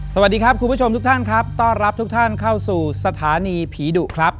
สวัสดีครับคุณผู้ชมทุกท่านครับต้อนรับทุกท่านเข้าสู่สถานีผีดุครับ